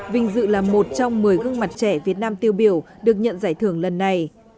vinh dự là một trong một mươi gương mặt trẻ việt nam tiêu biểu được nhận giải thưởng lần này